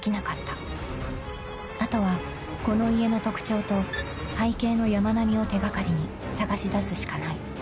［あとはこの家の特徴と背景の山並みを手掛かりに捜し出すしかない］